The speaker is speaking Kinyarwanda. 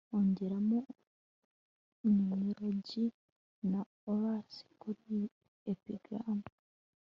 ongeramo numerology na auras kuriyi epigram